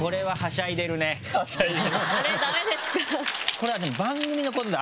これはでも番組のことだ